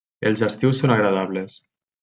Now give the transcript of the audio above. Els estius són agradables.